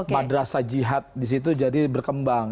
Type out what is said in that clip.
madrasah jihad di situ jadi berkembang